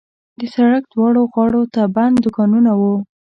د سړک دواړو غاړو ته بند دوکانونه وو.